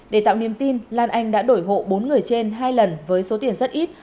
để tạo niềm tin lan anh đã đổi hộ bốn người trên hai lần với số tiền rất ít